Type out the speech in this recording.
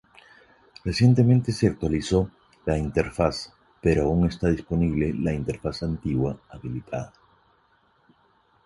Recientemente se actualizó la interfaz pero aún está disponible la interfaz antigua habilitada.